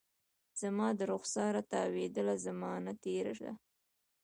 زما د رخساره تاویدله، زمانه تیره ده